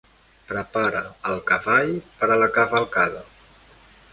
Prepara el cavall per a la cavalcada.